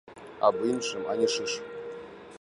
Аб іншым ані шыш!